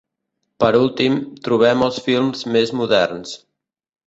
Per últim, trobem els films més moderns.